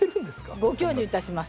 ご教授いたします。